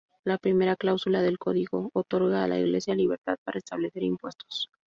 La primera cláusula del código otorga a la Iglesia libertad para establecer impuestos.